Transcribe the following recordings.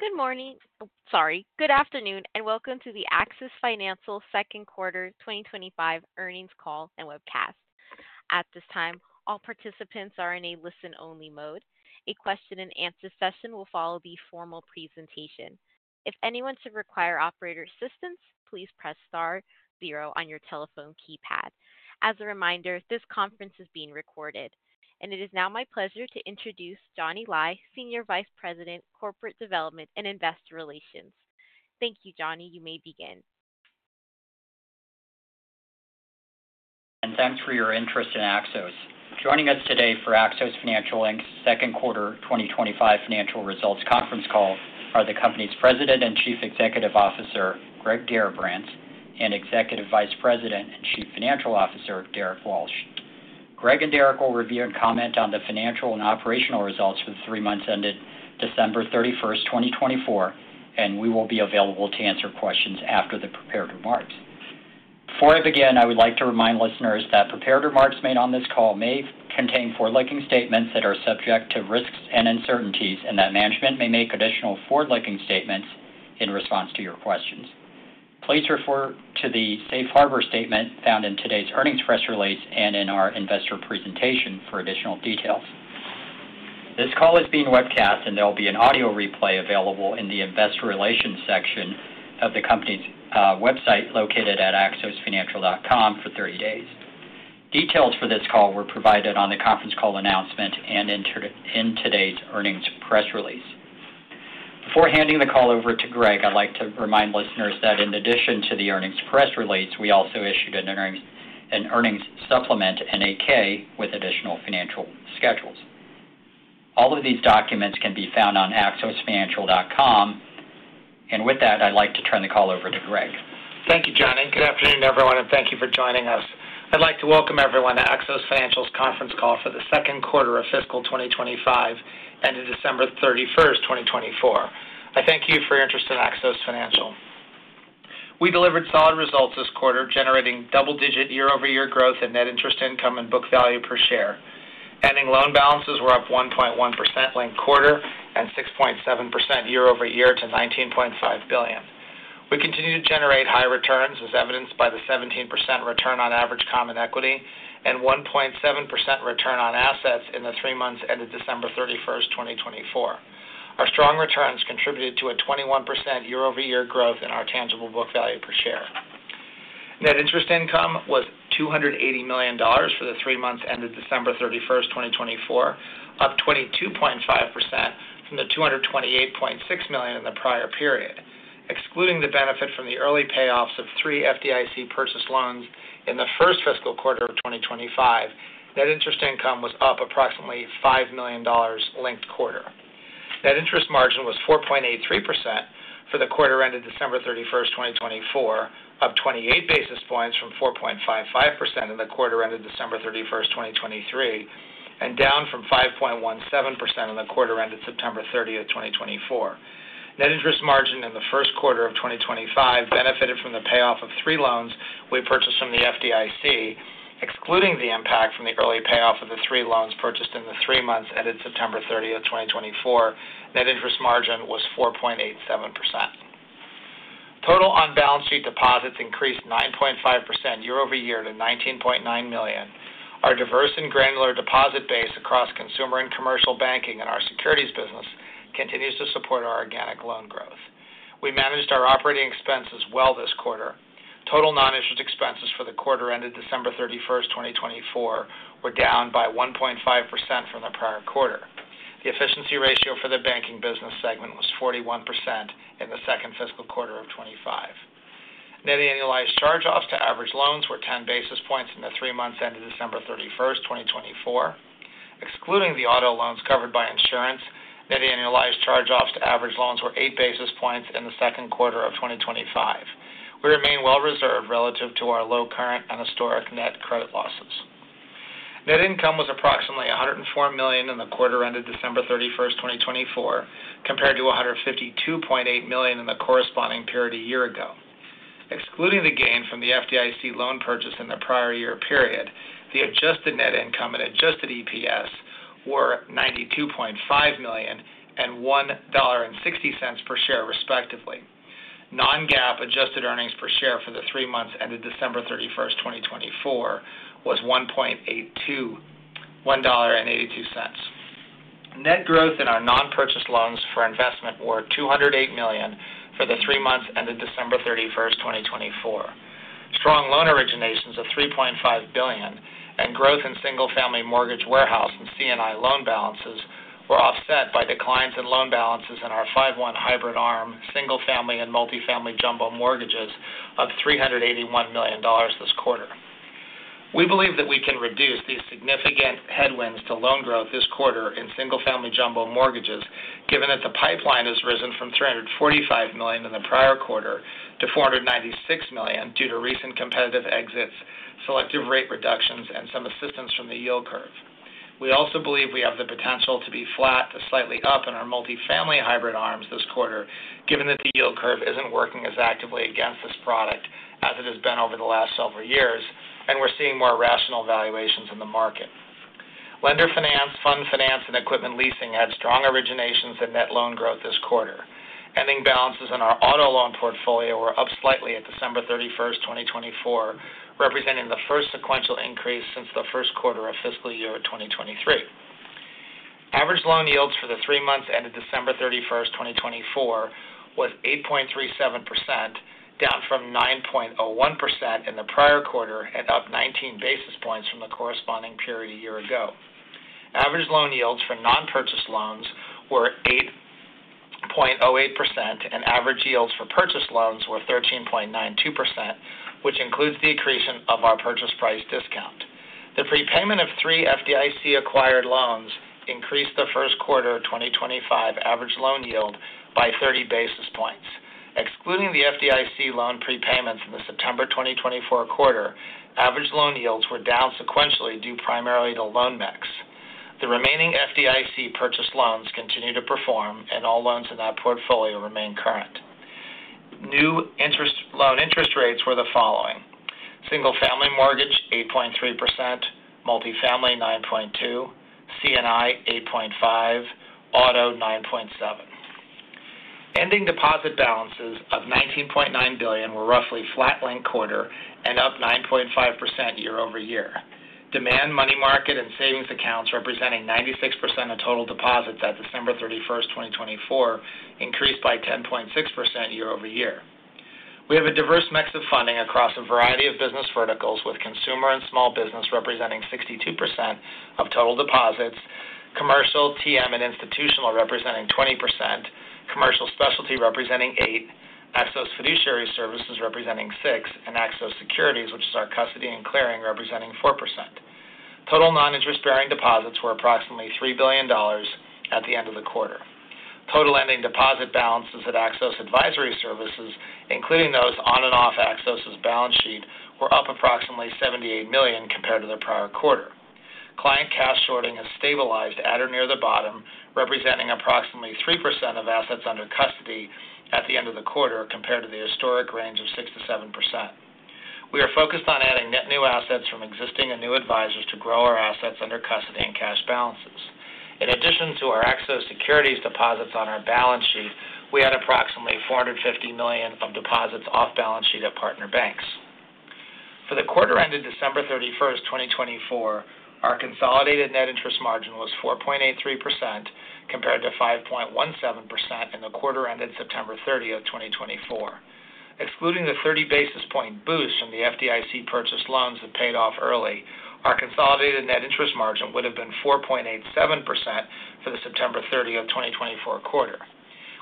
Good morning, sorry, good afternoon, and welcome to the Axos Financial Second Quarter 2025 Earnings Call and Webcast. At this time, all participants are in a listen-only mode. A question-and-answer session will follow the formal presentation. If anyone should require operator assistance, please press star zero on your telephone keypad. As a reminder, this conference is being recorded, and it is now my pleasure to introduce Johnny Lai, Senior Vice President, Corporate Development and Investor Relations. Thank you, Johnny. You may begin. Thanks for your interest in Axos. Joining us today for Axos Financial's second quarter 2025 financial results conference call are the company's President and Chief Executive Officer, Greg Garrabrants, and Executive Vice President and Chief Financial Officer, Derrick Walsh. Greg and Derrick will review and comment on the financial and operational results for the three months ended December 31st, 2024, and we will be available to answer questions after the prepared remarks. Before I begin, I would like to remind listeners that prepared remarks made on this call may contain forward-looking statements that are subject to risks and uncertainties, and that management may make additional forward-looking statements in response to your questions. Please refer to the Safe Harbor statement found in today's earnings press release and in our investor presentation for additional details. This call is being webcast, and there'll be an audio replay available in the Investor Relations section of the company's website located at axosfinancial.com for 30 days. Details for this call were provided on the conference call announcement and in today's earnings press release. Before handing the call over to Greg, I'd like to remind listeners that in addition to the earnings press release, we also issued an earnings supplement, an 8-K, with additional financial schedules. All of these documents can be found on axosfinancial.com. And with that, I'd like to turn the call over to Greg. Thank you, Johnny. Good afternoon, everyone, and thank you for joining us. I'd like to welcome everyone to Axos Financial's conference call for the second quarter of fiscal 2025 ended December 31st, 2024. I thank you for your interest in Axos Financial. We delivered solid results this quarter, generating double-digit year-over-year growth in net interest income and book value per share. Ending loan balances were up 1.1% linked quarter and 6.7% year-over-year to $19.5 billion. We continue to generate high returns, as evidenced by the 17% return on average common equity and 1.7% return on assets in the three months ended December 31st, 2024. Our strong returns contributed to a 21% year-over-year growth in our tangible book value per share. Net interest income was $280 million for the three months ended December 31st, 2024, up 22.5% from the $228.6 million in the prior period. Excluding the benefit from the early payoffs of three FDIC purchase loans in the first fiscal quarter of 2025, net interest income was up approximately $5 million linked quarter. Net interest margin was 4.83% for the quarter ended December 31st, 2024, up 28 basis points from 4.55% in the quarter ended December 31st, 2023, and down from 5.17% in the quarter ended September 30th, 2024. Net interest margin in the first quarter of 2025 benefited from the payoff of three loans we purchased from the FDIC. Excluding the impact from the early payoff of the three loans purchased in the three months ended September 30th, 2024, net interest margin was 4.87%. Total on-balance sheet deposits increased 9.5% year-over-year to $19.9 million. Our diverse and granular deposit base across consumer and Commercial Banking and our Securities Business continues to support our organic loan growth. We managed our operating expenses well this quarter. Total non-interest expenses for the quarter ended December 31st, 2024, were down by 1.5% from the prior quarter. The efficiency ratio for the Banking Business segment was 41% in the second fiscal quarter of 2025. Net annualized charge-offs to average loans were 10 basis points in the three months ended December 31st, 2024. Excluding the auto loans covered by insurance, net annualized charge-offs to average loans were 8 basis points in the second quarter of 2025. We remain well reserved relative to our low current and historic net credit losses. Net income was approximately $104 million in the quarter ended December 31st, 2024, compared to $152.8 million in the corresponding period a year ago. Excluding the gain from the FDIC loan purchase in the prior year period, the adjusted net income and adjusted EPS were $92.5 million and $1.60 per share, respectively. Non-GAAP adjusted earnings per share for the three months ended December 31st, 2024, was $1.82. Net growth in our non-purchase loans for investment were $208 million for the three months ended December 31st, 2024. Strong loan originations of $3.5 billion and growth Single Family Mortgage Warehouse and C&I loan balances were offset by declines in loan balances in our 5/1 hybrid Single Family and Multifamily Jumbo Mortgages of $381 million this quarter. We believe that we can reduce these significant headwinds to loan growth this quarter Single Family Jumbo Mortgages, given that the pipeline has risen from $345 million in the prior quarter to $496 million due to recent competitive exits, selective rate reductions, and some assistance from the yield curve. We also believe we have the potential to be flat to slightly up in our Multifamily hybrid ARMs this quarter, given that the yield curve isn't working as actively against this product as it has been over the last several years, and we're seeing more rational valuations in the market. Lender Finance, Fund Finance, and Equipment Leasing had strong originations in net loan growth this quarter. Ending balances in our auto loan portfolio were up slightly at December 31st, 2024, representing the first sequential increase since the first quarter of fiscal year 2023. Average loan yields for the three months ended December 31st, 2024, was 8.37%, down from 9.01% in the prior quarter and up 19 basis points from the corresponding period a year ago. Average loan yields for non-purchase loans were 8.08%, and average yields for purchase loans were 13.92%, which includes the accretion of our purchase price discount. The prepayment of three FDIC-acquired loans increased the first quarter of 2025 average loan yield by 30 basis points. Excluding the FDIC loan prepayments in the September 2024 quarter, average loan yields were down sequentially due primarily to loan mix. The remaining FDIC purchase loans continue to perform, and all loans in that portfolio remain current. New loan interest rates were the Single Family Mortgage 8.3%, Multifamily 9.2%, C&I 8.5%, Auto 9.7%. Ending deposit balances of $19.9 billion were roughly flat linked quarter and up 9.5% year-over-year. Demand, money market, and savings accounts representing 96% of total deposits at December 31st, 2024, increased by 10.6% year-over-year. We have a diverse mix of funding across a variety of business verticals, with consumer and small business representing 62% of total deposits, Commercial, TM, and Institutional representing 20%, Commercial Specialty representing 8%, Axos Fiduciary Services representing 6%, and Axos Securities, which is our custody and clearing, representing 4%. Total non-interest-bearing deposits were approximately $3 billion at the end of the quarter. Total ending deposit balances at Axos Advisory Services, including those on and off Axos's balance sheet, were up approximately $78 million compared to the prior quarter. Client cash sorting has stabilized at or near the bottom, representing approximately 3% of assets under custody at the end of the quarter compared to the historic range of 6%-7%. We are focused on adding net new assets from existing and new advisors to grow our assets under custody and cash balances. In addition to our Axos Securities deposits on our balance sheet, we had approximately $450 million of deposits off balance sheet at partner banks. For the quarter ended December 31st, 2024, our consolidated net interest margin was 4.83% compared to 5.17% in the quarter ended September 30th, 2024. Excluding the 30 basis point boost from the FDIC purchase loans that paid off early, our consolidated net interest margin would have been 4.87% for the September 30th, 2024 quarter.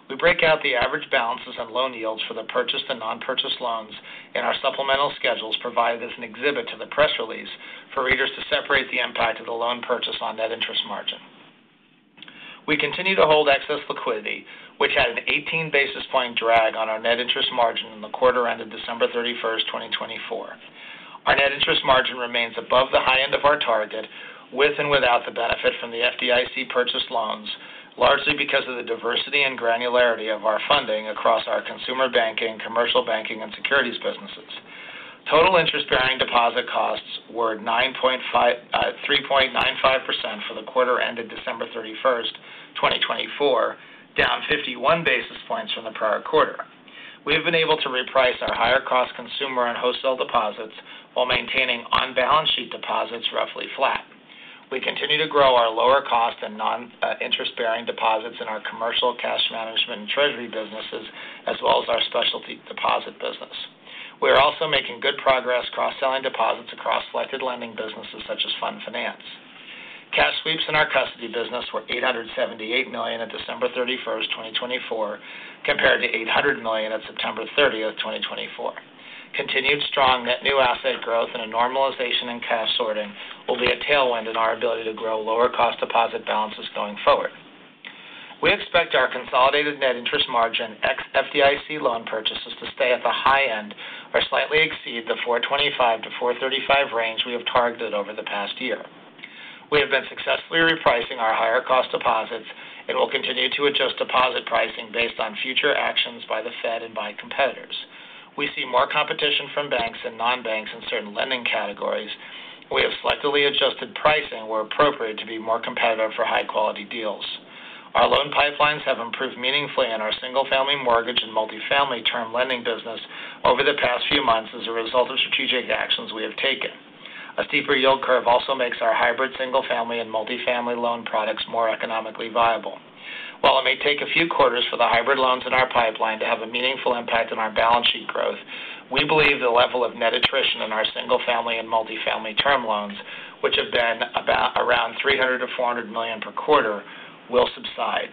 We break out the average balances and loan yields for the purchased and non-purchased loans in our supplemental schedules provided as an exhibit to the press release for readers to separate the impact of the loan purchase on net interest margin. We continue to hold excess liquidity, which had an 18 basis point drag on our net interest margin in the quarter ended December 31st, 2024. Our net interest margin remains above the high end of our target, with and without the benefit from the FDIC purchased loans, largely because of the diversity and granularity of our funding across our Consumer Banking, Commercial Banking, and Securities Businesses. Total interest-bearing deposit costs were 3.95% for the quarter ended December 31st, 2024, down 51 basis points from the prior quarter. We have been able to reprice our higher-cost Consumer and Wholesale deposits while maintaining on-balance sheet deposits roughly flat. We continue to grow our lower-cost and non-interest-bearing deposits in our Commercial cash management and Treasury businesses, as well as our Specialty Deposit business. We are also making good progress cross-selling deposits across selected lending businesses such as Fund Finance. Cash sweeps in our custody business were $878 million at December 31st, 2024, compared to $800 million at September 30th, 2024. Continued strong net new asset growth and a normalization in cash sorting will be a tailwind in our ability to grow lower-cost deposit balances going forward. We expect our consolidated net interest margin FDIC loan purchases to stay at the high end or slightly exceed the 425-435 range we have targeted over the past year. We have been successfully repricing our higher-cost deposits and will continue to adjust deposit pricing based on future actions by the Fed and by competitors. We see more competition from banks and non-banks in certain lending categories. We have selectively adjusted pricing where appropriate to be more competitive for high-quality deals. Our loan pipelines have improved meaningfully in Single Family Mortgage and Multifamily Term Lending business over the past few months as a result of strategic actions we have taken. A steeper yield curve also makes our Single Family and Multifamily loan products more economically viable. While it may take a few quarters for the hybrid loans in our pipeline to have a meaningful impact on our balance sheet growth, we believe the level of net attrition in Single Family and Multifamily term loans, which have been about $300-$400 million per quarter, will subside.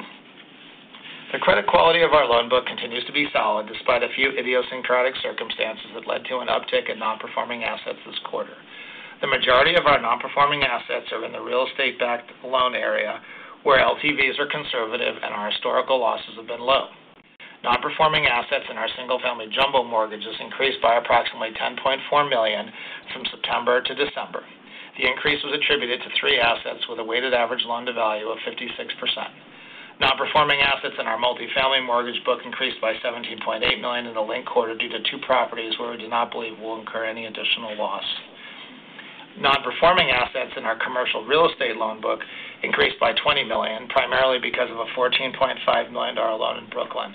The credit quality of our loan book continues to be solid despite a few idiosyncratic circumstances that led to an uptick in non-performing assets this quarter. The majority of our non-performing assets are in the real estate-backed loan area where LTVs are conservative and our historical losses have been low. Non-performing assets in Single Family Jumbo Mortgages increased by approximately $10.4 million from September to December. The increase was attributed to three assets with a weighted average loan-to-value of 56%. Non-performing assets in our Multifamily Mortgage book increased by $17.8 million in the linked quarter due to two properties where we do not believe we'll incur any additional loss. Non-performing assets in our Commercial Real Estate loan book increased by $20 million, primarily because of a $14.5 million loan in Brooklyn.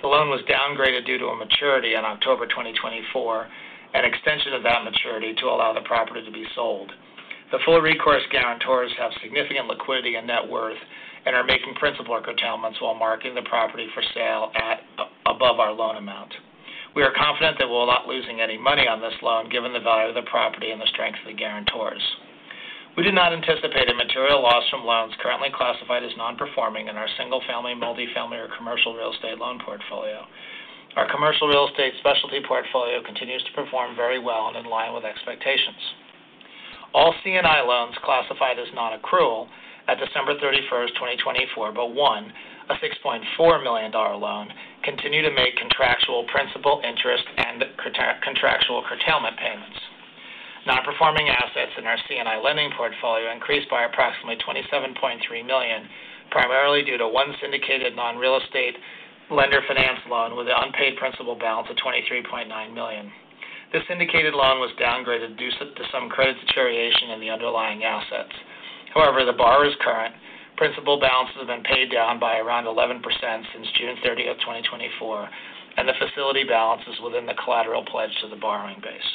The loan was downgraded due to a maturity in October 2024, an extension of that maturity to allow the property to be sold. The full recourse guarantors have significant liquidity and net worth and are making principal payments while marketing the property for sale above our loan amount. We are confident that we'll not lose any money on this loan given the value of the property and the strength of the guarantors. We do not anticipate a material loss from loans currently classified as non-performing in Single Family, Multifamily, or Commercial Real Estate loan portfolio. Our Commercial Real Estate Specialty portfolio continues to perform very well and in line with expectations. All C&I loans classified as non-accrual at December 31st, 2024, but one, a $6.4 million loan, continue to make contractual principal interest and contractual curtailment payments. Non-performing assets in our C&I lending portfolio increased by approximately $27.3 million, primarily due to one syndicated Non-Real Estate Lender Finance loan with an unpaid principal balance of $23.9 million. This syndicated loan was downgraded due to some credit deterioration in the underlying assets. However, the borrower is current. Principal balances have been paid down by around 11% since June 30th, 2024, and the facility balance is within the collateral pledge to the borrowing base.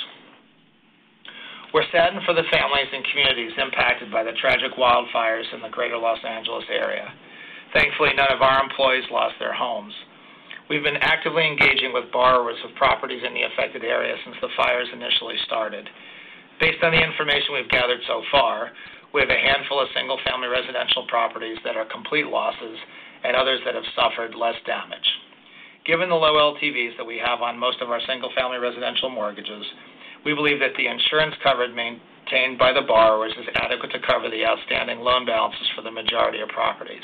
We're saddened for the families and communities impacted by the tragic wildfires in the greater Los Angeles area. Thankfully, none of our employees lost their homes. We've been actively engaging with borrowers of properties in the affected area since the fires initially started. Based on the information we've gathered so far, we have a handful Single Family residential properties that are complete losses and others that have suffered less damage. Given the low LTVs that we have on most of Single Family residential mortgages, we believe that the insurance coverage maintained by the borrowers is adequate to cover the outstanding loan balances for the majority of properties.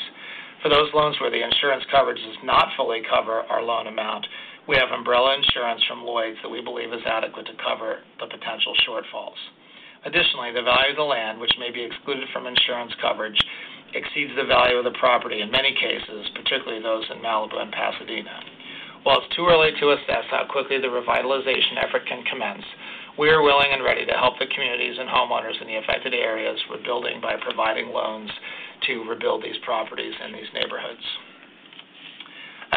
For those loans where the insurance coverage does not fully cover our loan amount, we have umbrella insurance from Lloyd's that we believe is adequate to cover the potential shortfalls. Additionally, the value of the land, which may be excluded from insurance coverage, exceeds the value of the property in many cases, particularly those in Malibu and Pasadena. While it's too early to assess how quickly the revitalization effort can commence, we are willing and ready to help the communities and homeowners in the affected areas rebuilding by providing loans to rebuild these properties in these neighborhoods.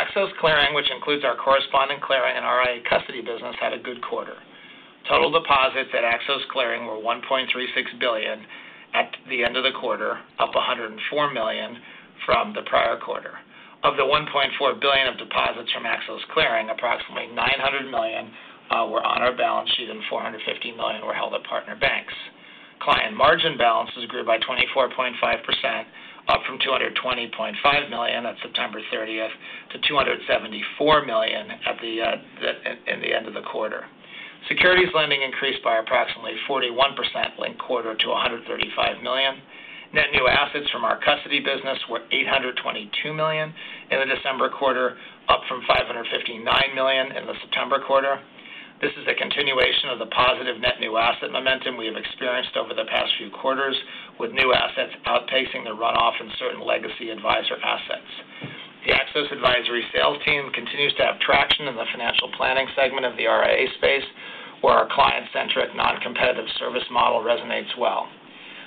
Axos Clearing, which includes our correspondent clearing and our custody business, had a good quarter. Total deposits at Axos Clearing were $1.36 billion at the end of the quarter, up $104 million from the prior quarter. Of the $1.4 billion of deposits from Axos Clearing, approximately $900 million were on our balance sheet and $450 million were held at partner banks. Client margin balances grew by 24.5%, up from $220.5 million at September 30th to $274 million at the end of the quarter. Securities Lending increased by approximately 41% linked quarter to $135 million. Net new assets from our custody business were $822 million in the December quarter, up from $559 million in the September quarter. This is a continuation of the positive net new asset momentum we have experienced over the past few quarters, with new assets outpacing the runoff in certain legacy advisor assets. The Axos Advisory sales team continues to have traction in the financial planning segment of the RIA space, where our client-centric non-competitive service model resonates well.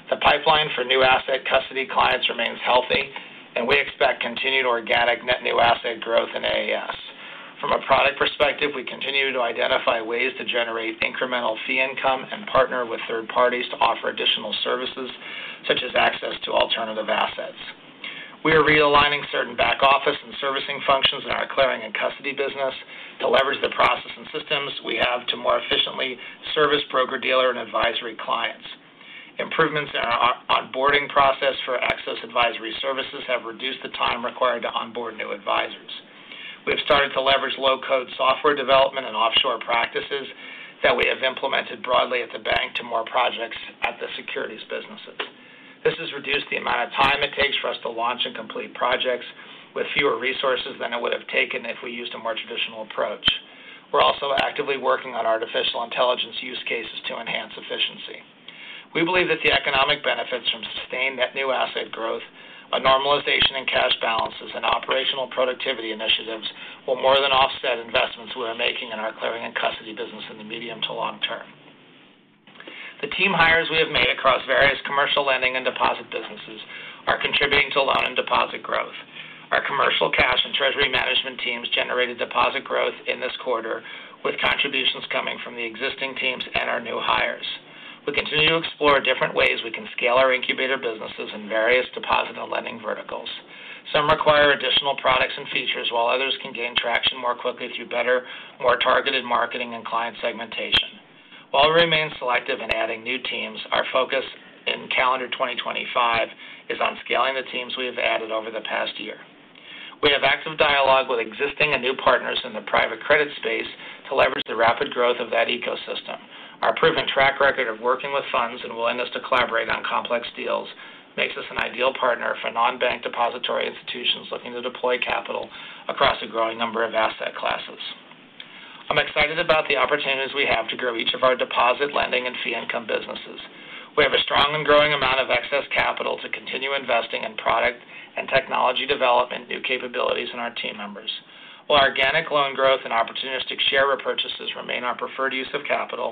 The pipeline for new asset custody clients remains healthy, and we expect continued organic net new asset growth in AAS. From a product perspective, we continue to identify ways to generate incremental fee income and partner with third parties to offer additional services such as access to alternative assets. We are realigning certain back office and servicing functions in our Clearing & Custody business to leverage the process and systems we have to more efficiently service broker-dealer and advisory clients. Improvements in our onboarding process for Axos Advisory Services have reduced the time required to onboard new advisors. We have started to leverage low-code software development and offshore practices that we have implemented broadly at the bank to more projects at the Securities Businesses. This has reduced the amount of time it takes for us to launch and complete projects with fewer resources than it would have taken if we used a more traditional approach. We're also actively working on artificial intelligence use cases to enhance efficiency. We believe that the economic benefits from sustained net new asset growth, a normalization in cash balances, and operational productivity initiatives will more than offset investments we are making in our Clearing & Custody business in the medium to long term. The team hires we have made across various Commercial Lending and Deposit businesses are contributing to loan and deposit growth. Our commercial cash and treasury management teams generated deposit growth in this quarter, with contributions coming from the existing teams and our new hires. We continue to explore different ways we can scale our incubator businesses in various deposit and lending verticals. Some require additional products and features, while others can gain traction more quickly through better, more targeted marketing and client segmentation. While we remain selective in adding new teams, our focus in calendar 2025 is on scaling the teams we have added over the past year. We have active dialogue with existing and new partners in the private credit space to leverage the rapid growth of that ecosystem. Our proven track record of working with funds and willingness to collaborate on complex deals makes us an ideal partner for non-bank depository institutions looking to deploy capital across a growing number of asset classes. I'm excited about the opportunities we have to grow each of our deposit, lending, and fee income businesses. We have a strong and growing amount of excess capital to continue investing in product and technology development, new capabilities, and our team members. While organic loan growth and opportunistic share repurchases remain our preferred use of capital,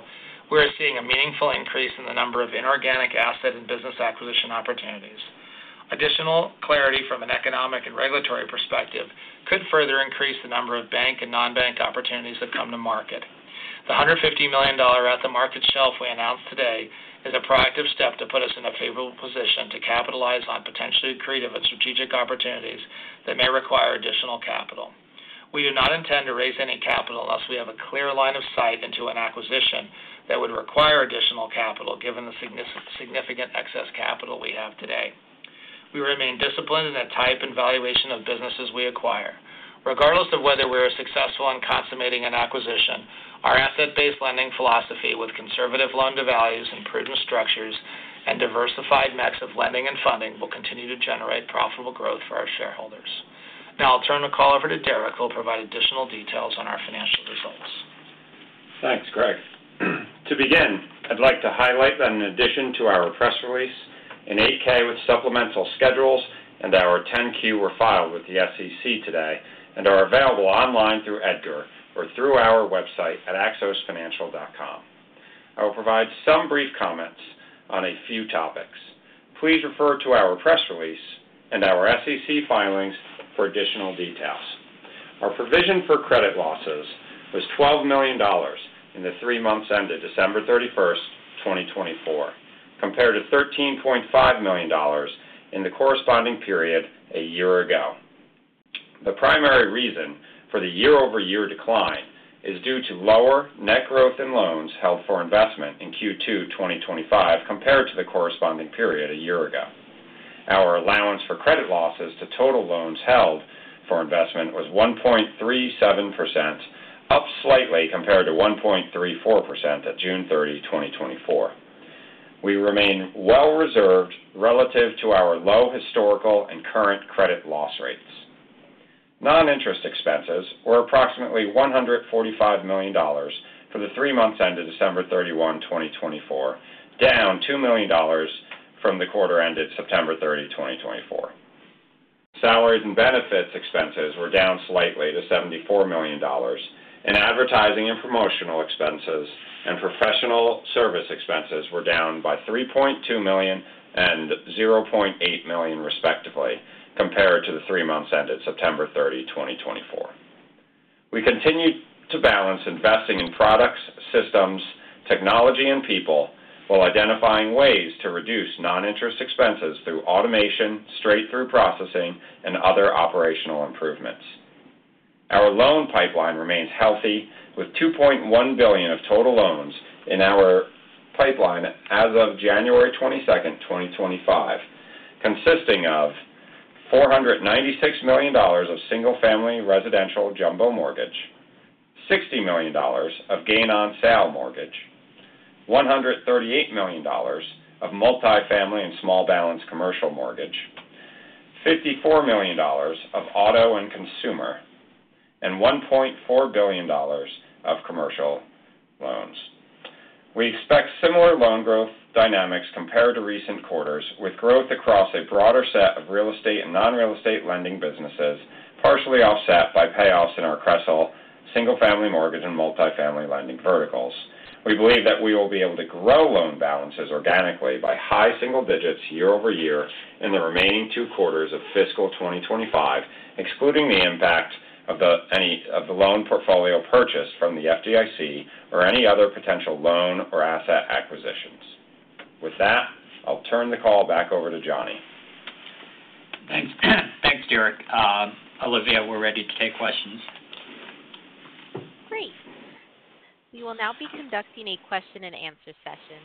we are seeing a meaningful increase in the number of inorganic asset and business acquisition opportunities. Additional clarity from an economic and regulatory perspective could further increase the number of bank and non-bank opportunities that come to market. The $150 million at-the-market shelf we announced today is a proactive step to put us in a favorable position to capitalize on potentially creative and strategic opportunities that may require additional capital. We do not intend to raise any capital unless we have a clear line of sight into an acquisition that would require additional capital given the significant excess capital we have today. We remain disciplined in the type and valuation of businesses we acquire. Regardless of whether we are successful in consummating an acquisition, our asset-based lending philosophy with conservative loan-to-values and prudent structures and diversified mix of lending and funding will continue to generate profitable growth for our shareholders. Now I'll turn the call over to Derrick, who will provide additional details on our financial results. Thanks, Greg. To begin, I'd like to highlight that in addition to our press release, an 8-K with supplemental schedules and our 10-Q were filed with the SEC today and are available online through EDGAR or through our website at axosfinancial.com. I will provide some brief comments on a few topics. Please refer to our press release and our SEC filings for additional details. Our provision for credit losses was $12 million in the three months ended December 31st, 2024, compared to $13.5 million in the corresponding period a year ago. The primary reason for the year-over-year decline is due to lower net growth in loans held for investment in Q2 2025 compared to the corresponding period a year ago. Our allowance for credit losses to total loans held for investment was 1.37%, up slightly compared to 1.34% at June 30, 2024. We remain well-reserved relative to our low historical and current credit loss rates. Non-interest expenses were approximately $145 million for the three months ended December 31, 2024, down $2 million from the quarter ended September 30, 2024. Salaries and benefits expenses were down slightly to $74 million, and advertising and promotional expenses and professional service expenses were down by $3.2 million and $0.8 million, respectively, compared to the three months ended September 30, 2024. We continue to balance investing in products, systems, technology, and people while identifying ways to reduce non-interest expenses through automation, straight-through processing, and other operational improvements. Our loan pipeline remains healthy with $2.1 billion of total loans in our pipeline as of January 22nd, 2025, consisting of $496 million Single Family residential Jumbo Mortgage, $60 million of gain-on-sale mortgage, $138 million of Multifamily and Small Balance Commercial Mortgage, $54 million of Auto & Consumer, and $1.4 billion of Commercial loans. We expect similar loan growth dynamics compared to recent quarters, with growth across a broader set of Real Estate and Non-Real Estate Lending businesses, partially offset by payoffs in our Single Family mortgage and Multifamily lending verticals. We believe that we will be able to grow loan balances organically by high single-digits year-over-year in the remaining two quarters of fiscal 2025, excluding the impact of the loan portfolio purchased from the FDIC or any other potential loan or asset acquisitions. With that, I'll turn the call back over to Johnny. Thanks. Thanks, Derrick. Olivia, we're ready to take questions. Great. We will now be conducting a question-and-answer session.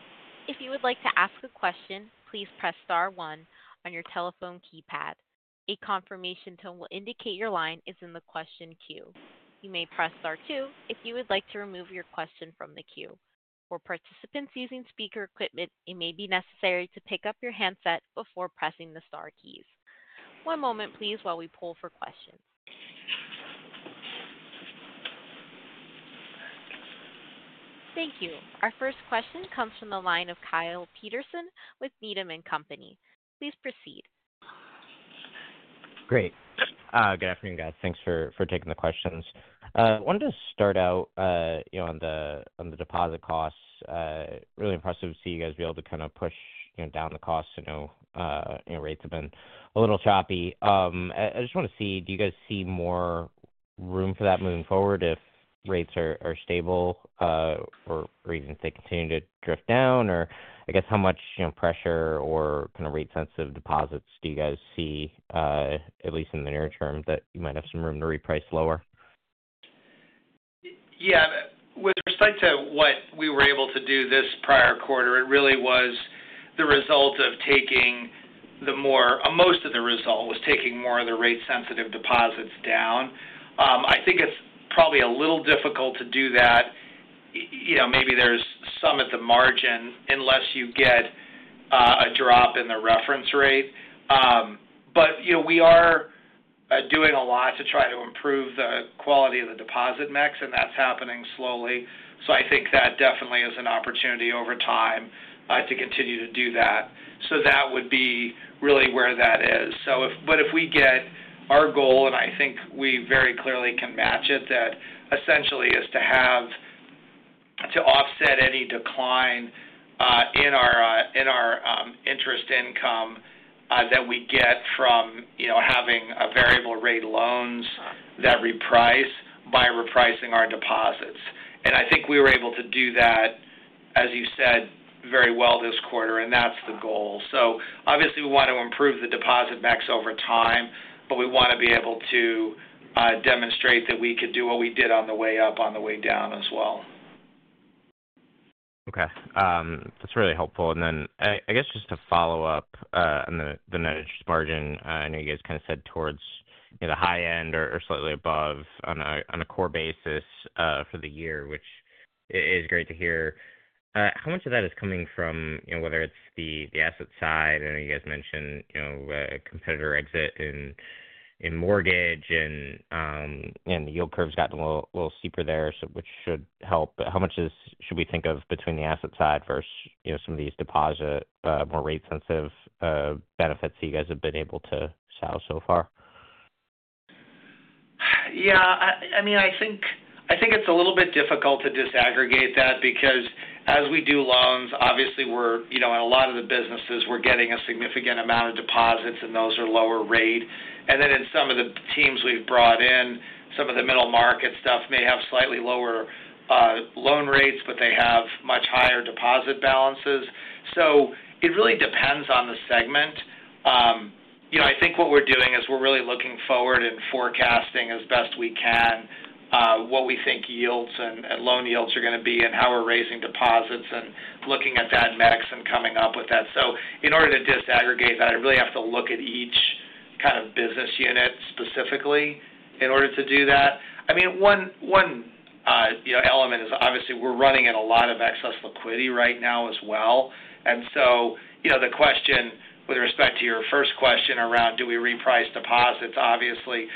If you would like to ask a question, please press star one on your telephone keypad. A confirmation tone will indicate your line is in the question queue. You may press star two if you would like to remove your question from the queue. For participants using speaker equipment, it may be necessary to pick up your handset before pressing the star keys. One moment, please, while we pull for questions. Thank you. Our first question comes from the line of Kyle Peterson with Needham & Company. Please proceed. Great. Good afternoon, guys. Thanks for taking the questions. I wanted to start out on the deposit costs. Really impressive to see you guys be able to kind of push down the costs. I know rates have been a little choppy. I just want to see, do you guys see more room for that moving forward if rates are stable or even if they continue to drift down? Or I guess how much pressure or kind of rate-sensitive deposits do you guys see, at least in the near term, that you might have some room to reprice lower? Yeah. With respect to what we were able to do this prior quarter, it really was the result of taking more of the rate-sensitive deposits down. Most of the result was taking more of the rate-sensitive deposits down. I think it's probably a little difficult to do that. Maybe there's some at the margin unless you get a drop in the reference rate. But we are doing a lot to try to improve the quality of the deposit mix, and that's happening slowly. So I think that definitely is an opportunity over time to continue to do that. So that would be really where that is. But if we get our goal, and I think we very clearly can match it, that essentially is to offset any decline in our interest income that we get from having variable-rate loans that reprice by repricing our deposits. And I think we were able to do that, as you said, very well this quarter, and that's the goal. So obviously, we want to improve the deposit mix over time, but we want to be able to demonstrate that we could do what we did on the way up, on the way down as well. Okay. That's really helpful. And then I guess just to follow up on the net interest margin, I know you guys kind of said towards the high end or slightly above on a core basis for the year, which is great to hear. How much of that is coming from whether it's the asset side? I know you guys mentioned competitor exit in mortgage, and the yield curve's gotten a little steeper there, which should help. But how much should we think of between the asset side versus some of these deposit more rate-sensitive benefits that you guys have been able to sell so far? Yeah. I mean, I think it's a little bit difficult to disaggregate that because as we do loans, obviously, in a lot of the businesses, we're getting a significant amount of deposits, and those are lower rate. Then in some of the teams we've brought in, some of the middle market stuff may have slightly lower loan rates, but they have much higher deposit balances. It really depends on the segment. I think what we're doing is we're really looking forward and forecasting as best we can what we think loan yields are going to be and how we're raising deposits and looking at that mix and coming up with that. In order to disaggregate that, I really have to look at each kind of business unit specifically in order to do that. I mean, one element is obviously we're running in a lot of excess liquidity right now as well. The question with respect to your first question around do we reprice deposits. Obviously,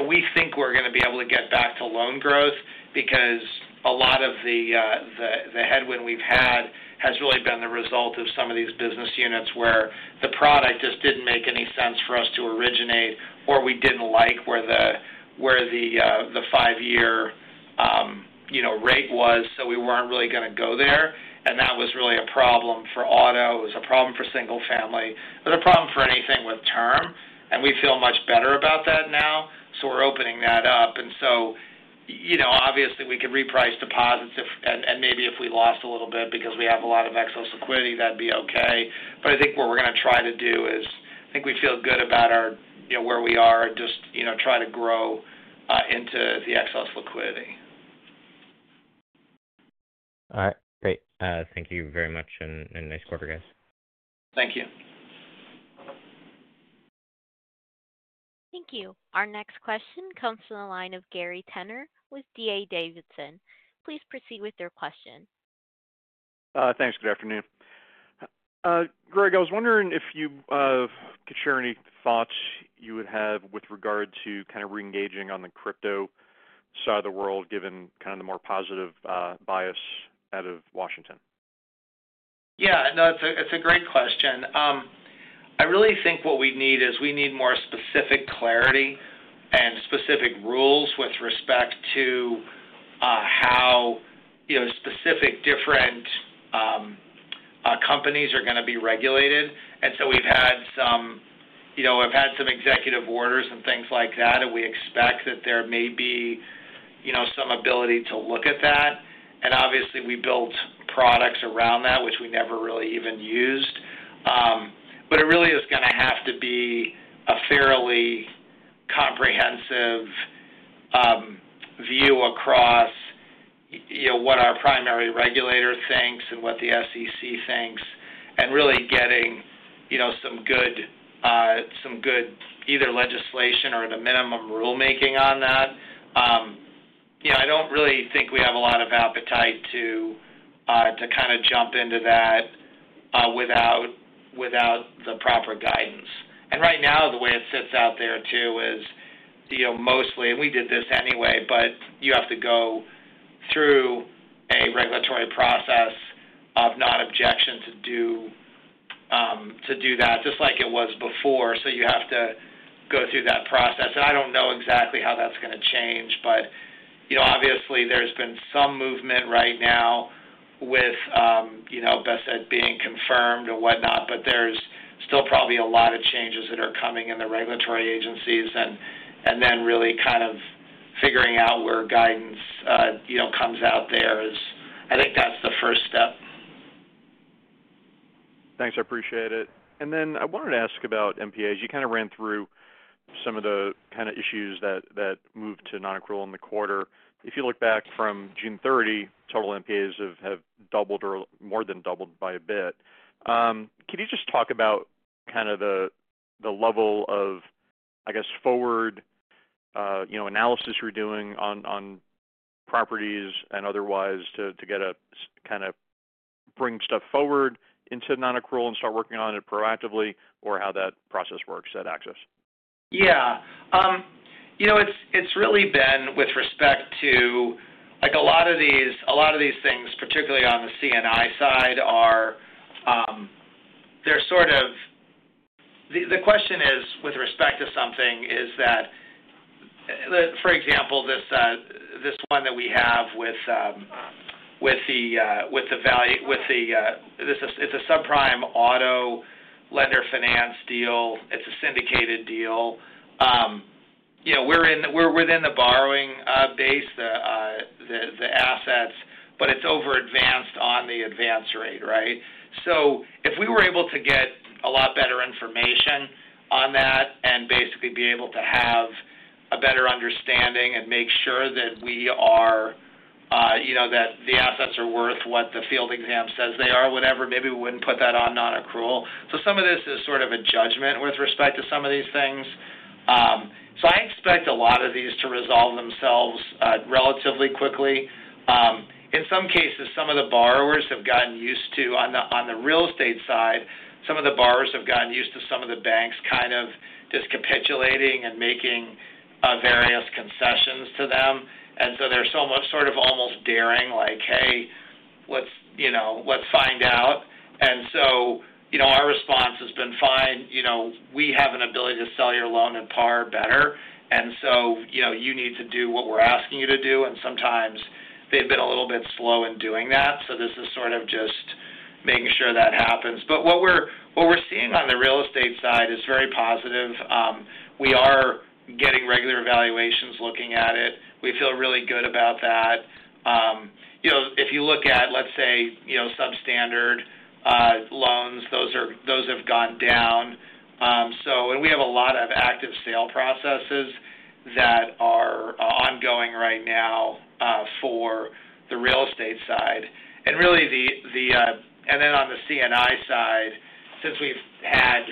we think we're going to be able to get back to loan growth because a lot of the headwind we've had has really been the result of some of these business units where the product just didn't make any sense for us to originate or we didn't like where the five-year rate was. We weren't really going to go there. That was really a problem for auto. It was a problem Single Family. it was a problem for anything with term. We feel much better about that now. We're opening that up. Obviously, we could reprice deposits. Maybe if we lost a little bit because we have a lot of excess liquidity, that'd be okay. But I think what we're going to try to do is I think we feel good about where we are and just try to grow into the excess liquidity. All right. Great. Thank you very much and nice quarter, guys. Thank you. Thank you. Our next question comes from the line of Gary Tenner with D.A. Davidson. Please proceed with your question. Thanks. Good afternoon. Greg, I was wondering if you could share any thoughts you would have with regard to kind of re-engaging on the crypto side of the world given kind of the more positive bias out of Washington. Yeah. No, it's a great question. I really think what we need is we need more specific clarity and specific rules with respect to how specific different companies are going to be regulated. And so we've had some executive orders and things like that, and we expect that there may be some ability to look at that. And obviously, we built products around that, which we never really even used. But it really is going to have to be a fairly comprehensive view across what our primary regulator thinks and what the SEC thinks and really getting some good either legislation or at a minimum rulemaking on that. I don't really think we have a lot of appetite to kind of jump into that without the proper guidance. And right now, the way it sits out there too is mostly, and we did this anyway, but you have to go through a regulatory process of non-objection to do that just like it was before. So you have to go through that process. And I don't know exactly how that's going to change, but obviously, there's been some movement right now with Bessent being confirmed and whatnot, but there's still probably a lot of changes that are coming in the regulatory agencies and then really kind of figuring out where guidance comes out there is. I think that's the first step. Thanks. I appreciate it, and then I wanted to ask about NPA. You kind of ran through some of the kind of issues that moved to non-accrual in the quarter. If you look back from June 30, total NPAs have doubled or more than doubled by a bit. Could you just talk about kind of the level of, I guess, forward analysis you're doing on properties and otherwise to kind of bring stuff forward into non-accrual and start working on it proactively or how that process works at Axos? Yeah. It's really been with respect to a lot of these things, particularly on the C&I side, they're sort of the question is with respect to something is that, for example, this one that we have with the it's a subprime auto lender finance deal. It's a syndicated deal. We're within the borrowing base, the assets, but it's over-advanced on the advance rate, right? So if we were able to get a lot better information on that and basically be able to have a better understanding and make sure that we are that the assets are worth what the field exam says they are, whatever, maybe we wouldn't put that on non-accrual. So some of this is sort of a judgment with respect to some of these things. So I expect a lot of these to resolve themselves relatively quickly. In some cases, some of the borrowers have gotten used to, on the real estate side, some of the borrowers have gotten used to some of the banks kind of just capitulating and making various concessions to them. And so they're sort of almost daring like, "Hey, let's find out." And so our response has been fine. We have an ability to sell your loan at par better. And so you need to do what we're asking you to do. And sometimes they've been a little bit slow in doing that. So this is sort of just making sure that happens. But what we're seeing on the real estate side is very positive. We are getting regular evaluations looking at it. We feel really good about that. If you look at, let's say, substandard loans, those have gone down. We have a lot of active sale processes that are ongoing right now for the real estate side. Really, and then on the C&I side, since we've had,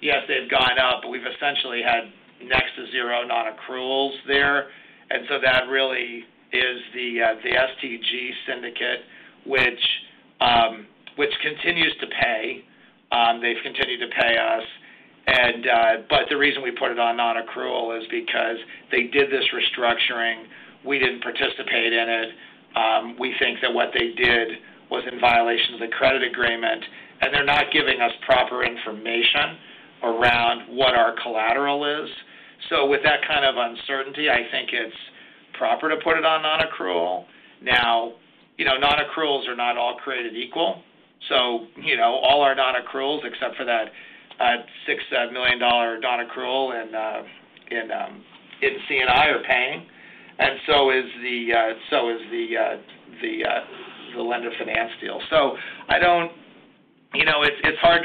yes, they've gone up, but we've essentially had next to zero non-accruals there. That really is the STG syndicate, which continues to pay. They've continued to pay us. The reason we put it on non-accrual is because they did this restructuring. We didn't participate in it. We think that what they did was in violation of the credit agreement. They're not giving us proper information around what our collateral is. With that kind of uncertainty, I think it's proper to put it on non-accrual. Non-accruals are not all created equal. All our non-accruals, except for that $6 million non-accrual in C&I, are paying, and so is the Lender Finance deal. So I don't know, it's hard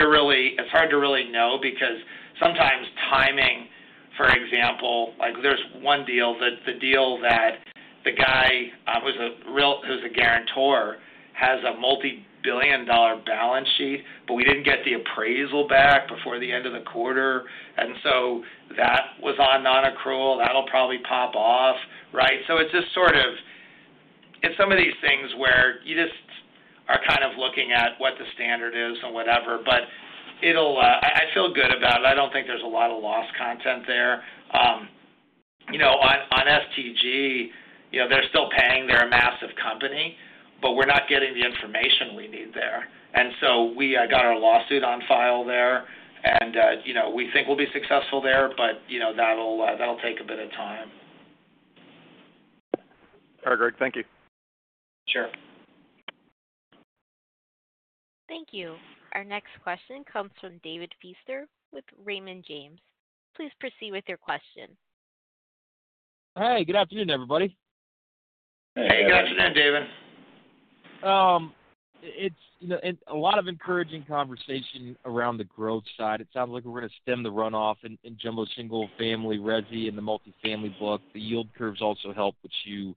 to really know because sometimes timing, for example, there's one deal, the deal that the guy who's a guarantor has a multi-billion-dollar balance sheet, but we didn't get the appraisal back before the end of the quarter. And so that was on non-accrual. That'll probably pop off, right? It's just sort of some of these things where you just are kind of looking at what the standard is and whatever. But I feel good about it. I don't think there's a lot of lost content there. On STG, they're still paying. They're a massive company, but we're not getting the information we need there. And so we got our lawsuit on file there. And we think we'll be successful there, but that'll take a bit of time. All right, Greg. Thank you. Sure. Thank you. Our next question comes from David Feaster with Raymond James. Please proceed with your question. Hi. Good afternoon, everybody. Hey. Good afternoon, David. It's a lot of encouraging conversation around the growth side. It sounds like we're going to stem the runoff in Jumbo Single Family Resi and the Multifamily book. The yield curves also help, which you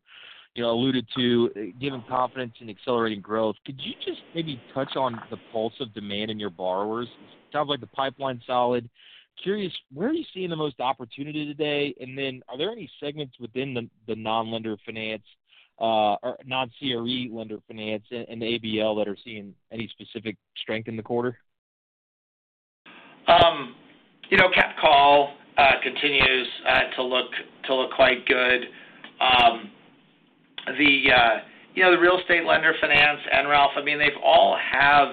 alluded to, giving confidence in accelerating growth. Could you just maybe touch on the pulse of demand in your borrowers? Sounds like the pipeline's solid. Curious, where are you seeing the most opportunity today? And then are there any segments within the non-Lender Finance or non-CRE Lender Finance and ABL that are seeing any specific strength in the quarter? Cap Call continues to look quite good. The Real Estate Lender Finance, I mean, they all have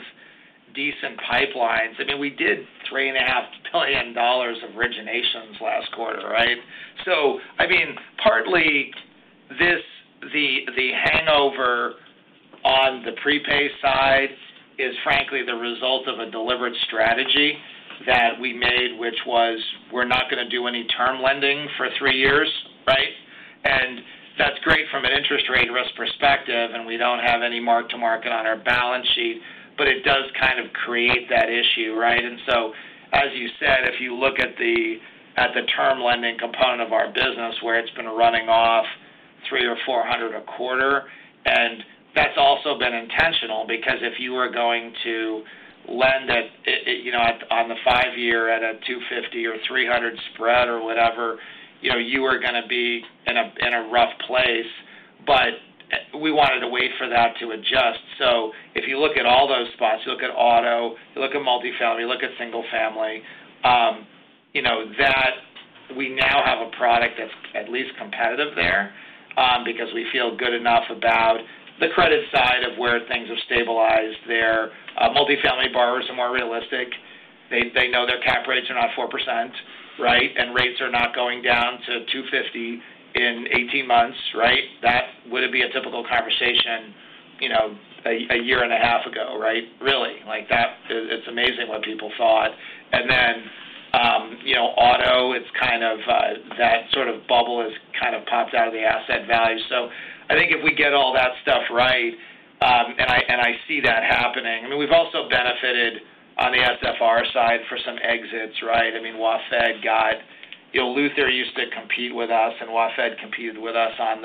decent pipelines. I mean, we did $3.5 billion of originations last quarter, right? So I mean, partly, the hangover on the prepay side is frankly the result of a deliberate strategy that we made, which was we're not going to do any term lending for three years, right? And that's great from an interest rate risk perspective, and we don't have any mark-to-market on our balance sheet, but it does kind of create that issue, right? And so, as you said, if you look at the term lending component of our business where it's been running off 300 or 400 a quarter, and that's also been intentional because if you were going to lend it on the five-year at a 250 or 300 spread or whatever, you were going to be in a rough place. But we wanted to wait for that to adjust. So if you look at all those spots, you look at auto, you look at Multifamily, you look at Single Family, that we now have a product that's at least competitive there because we feel good enough about the credit side of where things have stabilized there. Multifamily borrowers are more realistic. They know their cap rates are not 4%, right? And rates are not going down to 250 in 18 months, right? That wouldn't be a typical conversation a year and a half ago, right? Really. It's amazing what people thought. And then auto, it's kind of that sort of bubble has kind of popped out of the asset value. So I think if we get all that stuff right, and I see that happening, I mean, we've also benefited on the SFR side for some exits, right? I mean, WaFd got Luther used to compete with us, and WaFd competed with us on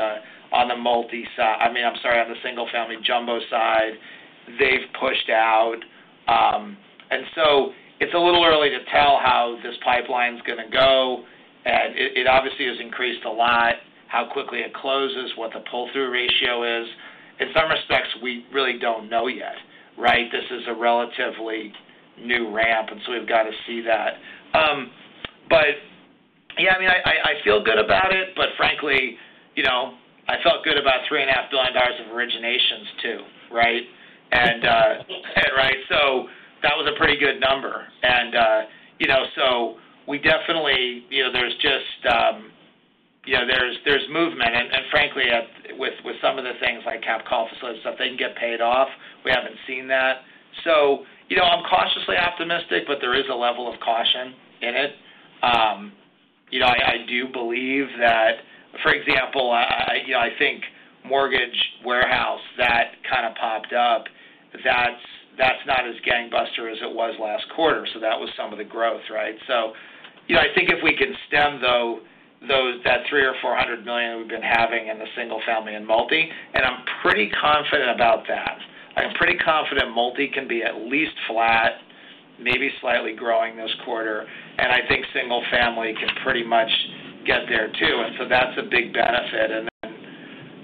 the Multi, I mean, I'm sorry, on Single Family jumbo side. They've pushed out, so it's a little early to tell how this pipeline's going to go and it obviously has increased a lot, how quickly it closes, what the pull-through ratio is. In some respects, we really don't know yet, right? This is a relatively new ramp, so we've got to see that, but yeah, I mean, I feel good about it, but frankly, I felt good about $3.5 billion of originations too, right? And right? So that was a pretty good number and so we definitely, there's just, there's movement and frankly, with some of the things like Cap Call facility stuff, they can get paid off, we haven't seen that so I'm cautiously optimistic, but there is a level of caution in it. I do believe that, for example, I think Mortgage, Warehouse that kind of popped up, that's not as gangbusters as it was last quarter. So that was some of the growth, right? So I think if we can stem the though that $300 million-$400 million we've been having in the Single Family and Multi, and I'm pretty confident about that. I'm pretty confident Multi can be at least flat, maybe slightly growing this quarter. And I think Single Family can pretty much get there too. And so that's a big benefit. And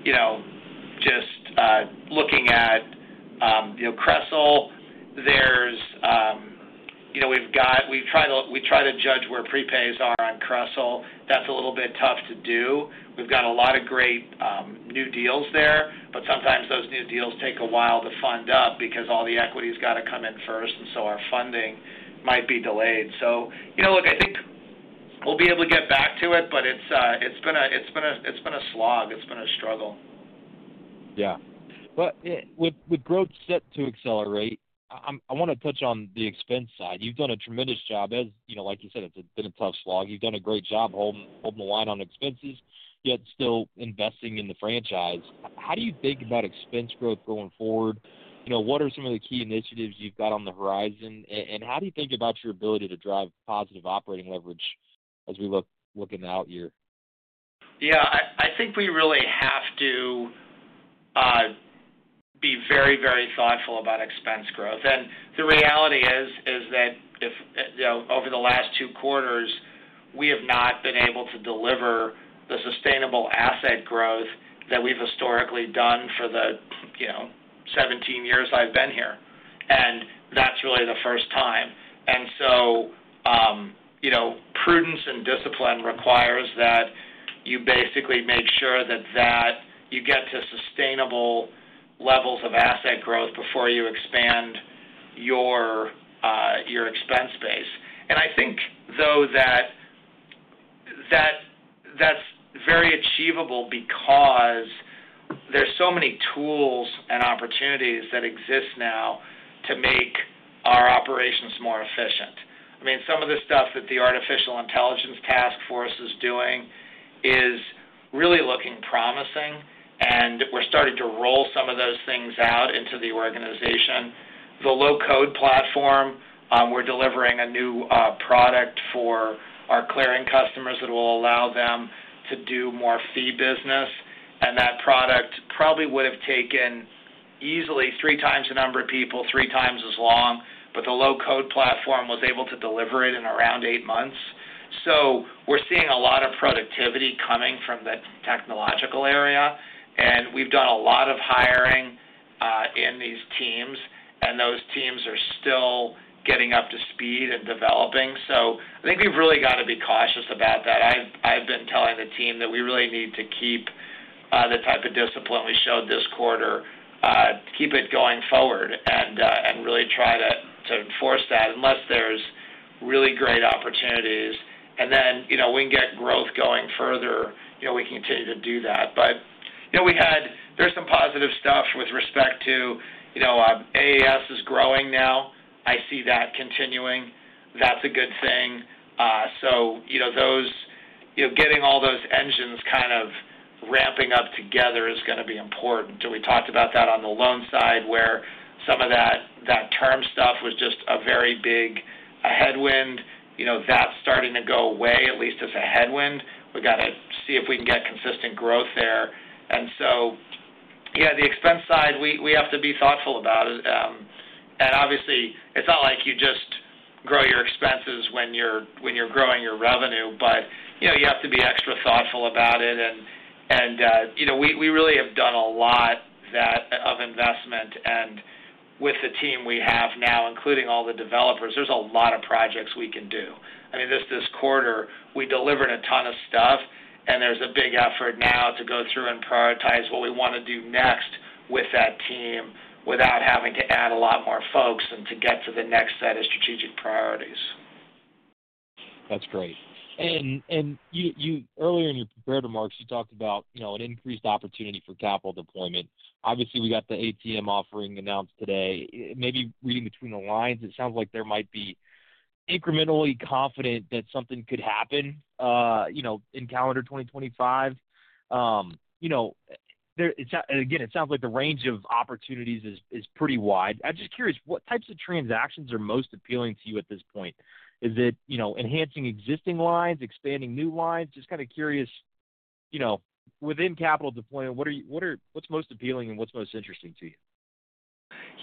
then just looking at CRESL, there's—we've tried to judge where prepays are on CRESL. That's a little bit tough to do. We've got a lot of great new deals there, but sometimes those new deals take a while to fund up because all the equity has got to come in first. And so our funding might be delayed. So look, I think we'll be able to get back to it, but it's been a slog. It's been a struggle. Yeah. But with growth set to accelerate, I want to touch on the expense side. You've done a tremendous job. Like you said, it's been a tough slog. You've done a great job holding the line on expenses, yet still investing in the franchise. How do you think about expense growth going forward? What are some of the key initiatives you've got on the horizon? And how do you think about your ability to drive positive operating leverage as we look in the out year? Yeah. I think we really have to be very, very thoughtful about expense growth. And the reality is that over the last two quarters, we have not been able to deliver the sustainable asset growth that we've historically done for the 17 years I've been here. And that's really the first time. And so prudence and discipline requires that you basically make sure that you get to sustainable levels of asset growth before you expand your expense base. And I think, though, that that's very achievable because there's so many tools and opportunities that exist now to make our operations more efficient. I mean, some of the stuff that the artificial intelligence task force is doing is really looking promising. And we're starting to roll some of those things out into the organization. The low code platform, we're delivering a new product for our Clearing customers that will allow them to do more fee business. And that product probably would have taken easily 3x the number of people, 3x as long, but the low code platform was able to deliver it in around eight months. So we're seeing a lot of productivity coming from the technological area. And we've done a lot of hiring in these teams. And those teams are still getting up to speed and developing. So I think we've really got to be cautious about that. I've been telling the team that we really need to keep the type of discipline we showed this quarter, keep it going forward, and really try to enforce that unless there's really great opportunities. And then when we get growth going further, we continue to do that. But there's some positive stuff with respect to AAS is growing now. I see that continuing. That's a good thing. So getting all those engines kind of ramping up together is going to be important. And we talked about that on the loan side where some of that term stuff was just a very big headwind. That's starting to go away, at least as a headwind. We've got to see if we can get consistent growth there. And so, yeah, the expense side, we have to be thoughtful about it. And obviously, it's not like you just grow your expenses when you're growing your revenue, but you have to be extra thoughtful about it. And we really have done a lot of investment. And with the team we have now, including all the developers, there's a lot of projects we can do. I mean, this quarter, we delivered a ton of stuff. There's a big effort now to go through and prioritize what we want to do next with that team without having to add a lot more folks and to get to the next set of strategic priorities. That's great. Earlier in your prepared remarks, you talked about an increased opportunity for capital deployment. Obviously, we got the ATM offering announced today. Maybe reading between the lines, it sounds like there might be incrementally confident that something could happen in calendar 2025. Again, it sounds like the range of opportunities is pretty wide. I'm just curious, what types of transactions are most appealing to you at this point? Is it enhancing existing lines, expanding new lines? Just kind of curious, within capital deployment, what's most appealing and what's most interesting to you?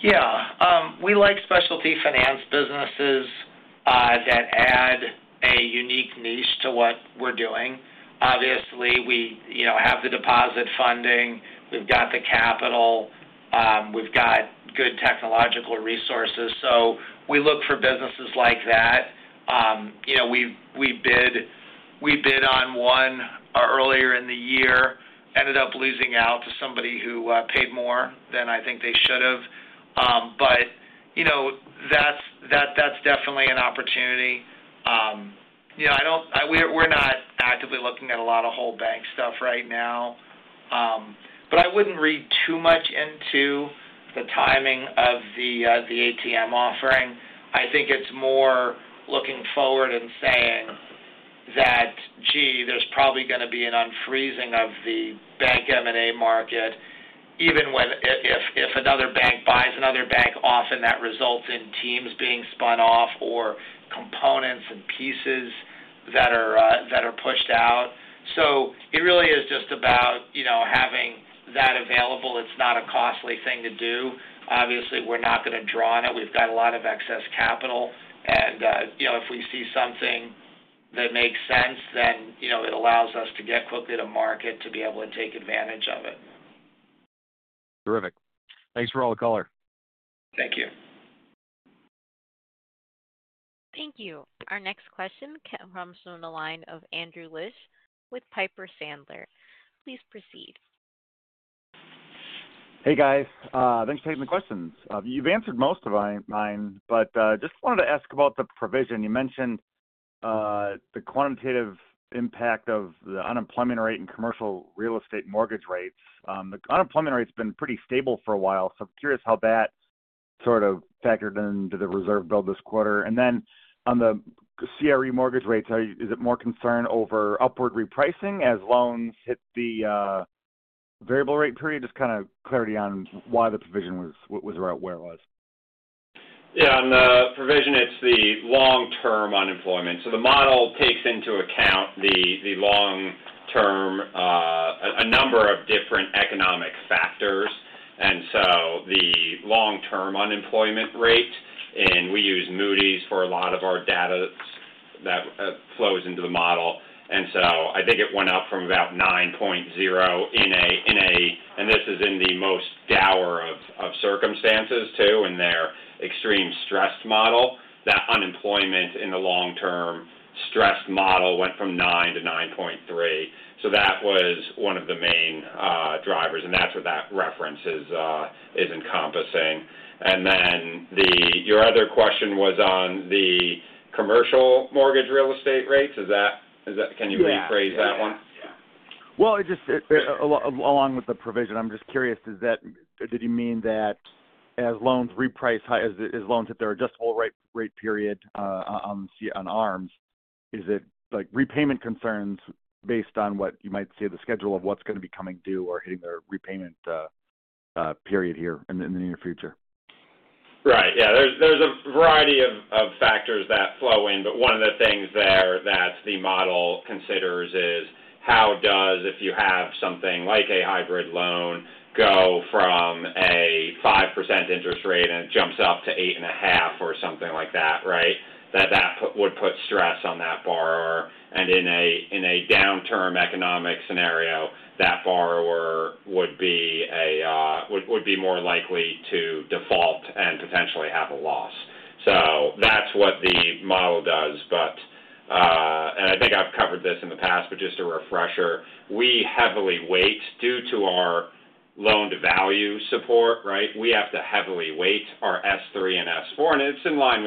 Yeah. We like Specialty Finance businesses that add a unique niche to what we're doing. Obviously, we have the deposit funding. We've got the capital. We've got good technological resources. So we look for businesses like that. We bid on one earlier in the year, ended up losing out to somebody who paid more than I think they should have. But that's definitely an opportunity. We're not actively looking at a lot of whole bank stuff right now. But I wouldn't read too much into the timing of the ATM offering. I think it's more looking forward and saying that, gee, there's probably going to be an unfreezing of the bank M&A market, even if another bank buys another bank off, and that results in teams being spun off or components and pieces that are pushed out. So it really is just about having that available. It's not a costly thing to do. Obviously, we're not going to draw on it. We've got a lot of excess capital, and if we see something that makes sense, then it allows us to get quickly to market to be able to take advantage of it. Terrific. Thanks for all the color. Thank you. Thank you. Our next question comes from the line of Andrew Liesch with Piper Sandler. Please proceed. Hey, guys. Thanks for taking the questions. You've answered most of mine, but just wanted to ask about the provision. You mentioned the quantitative impact of the unemployment rate and Commercial Real Estate Mortgage rates. The unemployment rate's been pretty stable for a while, so I'm curious how that sort of factored into the reserve build this quarter, and then on the CRE Mortgage rates, is it more concern over upward repricing as loans hit the variable rate period? Just kind of clarity on why the provision was where it was. Yeah. On the provision, it's the long-term unemployment. So the model takes into account the long-term, a number of different economic factors. And so the long-term unemployment rate, and we use Moody's for a lot of our data that flows into the model. And so I think it went up from about 9.0—and this is in the most dour of circumstances too in their extreme stressed model. That unemployment in the long-term stressed model went from 9 to 9.3. So that was one of the main drivers, and that's what that reference is encompassing. And then your other question was on the Commercial Mortgage Real Estate rates. Can you rephrase that one? Yeah. Along with the provision, I'm just curious, did you mean that as loans reprice high, as loans hit their adjustable rate period on ARMs, is it repayment concerns based on what you might see the schedule of what's going to be coming due or hitting their repayment period here in the near future? Right. Yeah. There's a variety of factors that flow in, but one of the things there that the model considers is how does, if you have something like a hybrid loan, go from a 5% interest rate and it jumps up to 8.5% or something like that, right? That would put stress on that borrower. And in a downturn economic scenario, that borrower would be more likely to default and potentially have a loss. So that's what the model does. And I think I've covered this in the past, but just a refresher. We heavily weight due to our loan-to-value support, right? We have to heavily weight our S3 and S4. And it's in line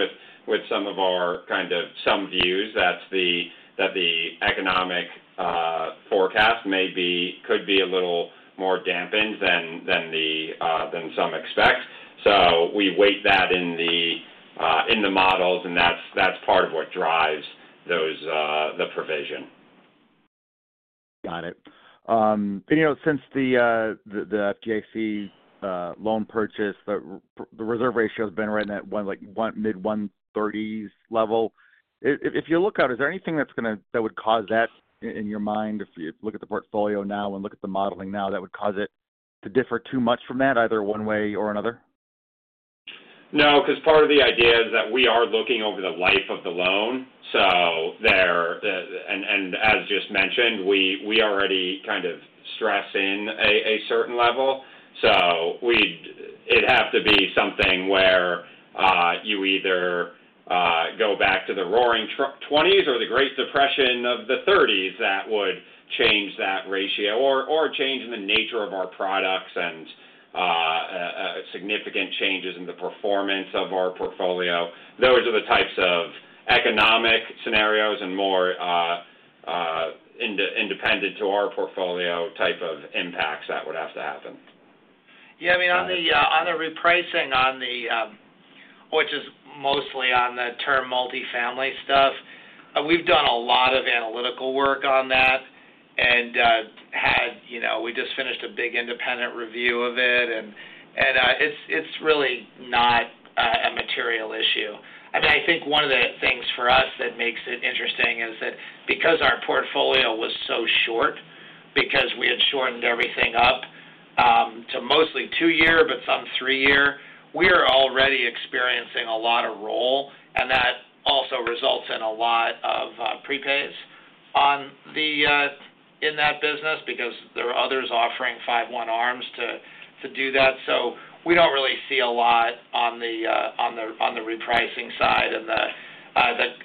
with some of our kind of some views that the economic forecast could be a little more dampened than some expect. So we weight that in the models, and that's part of what drives the provision. Got it. Since the FDIC loan purchase, the reserve ratio has been right in that mid-130s level. If you look out, is there anything that would cause that in your mind if you look at the portfolio now and look at the modeling now that would cause it to differ too much from that, either one way or another? No, because part of the idea is that we are looking over the life of the loan. And as just mentioned, we already kind of stress in a certain level. It'd have to be something where you either go back to the roaring 20s or the Great Depression of the 30s that would change that ratio or change in the nature of our products and significant changes in the performance of our portfolio. Those are the types of economic scenarios and more independent to our portfolio type of impacts that would have to happen. Yeah. I mean, on the repricing, which is mostly on the term Multifamily stuff, we've done a lot of analytical work on that. And we just finished a big independent review of it. And it's really not a material issue. And I think one of the things for us that makes it interesting is that because our portfolio was so short, because we had shortened everything up to mostly two-year, but some three-year, we are already experiencing a lot of roll. That also results in a lot of prepays in that business because there are others offering 5/1 ARMs to do that. So we don't really see a lot on the repricing side. And